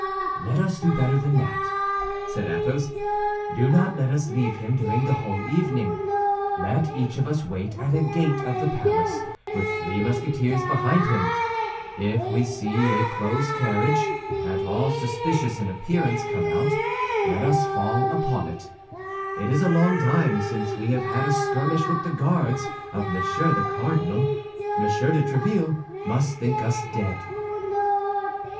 "Let us do better than that," said Athos; "do not let us leave him during the whole evening. Let each of us wait at a gate of the palace with three Musketeers behind him; if we see a close carriage, at all suspicious in appearance, come out, let us fall upon it. It is a long time since we have had a skirmish with the Guards of Monsieur the Cardinal; Monsieur de Tréville must think us dead."